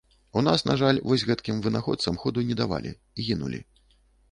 У нас, на жаль, вось гэткім вынаходцам ходу не давалі, гінулі.